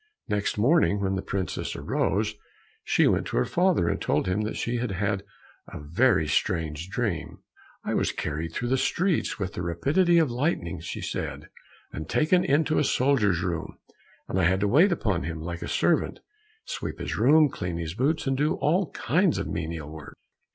Next morning when the princess arose, she went to her father, and told him that she had had a very strange dream. "I was carried through the streets with the rapidity of lightning," said she, "and taken into a soldier's room, and I had to wait upon him like a servant, sweep his room, clean his boots, and do all kinds of menial work.